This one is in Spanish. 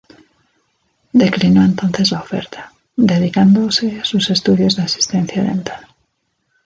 Declinó entonces la oferta, dedicándose a sus estudios de asistencia dental.